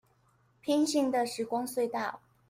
平行的時光隧道